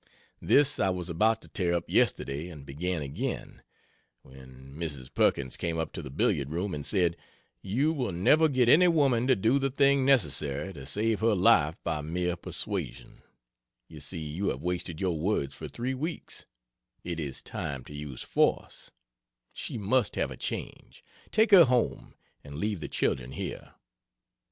This I was about to tear up yesterday and begin again, when Mrs. Perkins came up to the billiard room and said, "You will never get any woman to do the thing necessary to save her life by mere persuasion; you see you have wasted your words for three weeks; it is time to use force; she must have a change; take her home and leave the children here."